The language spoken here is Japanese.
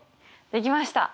できました！